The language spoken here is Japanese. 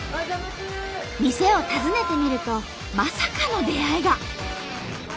店を訪ねてみるとまさかの出会いが。